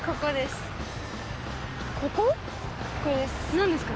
何ですか？